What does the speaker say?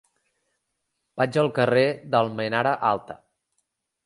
Vaig al carrer d'Almenara Alta.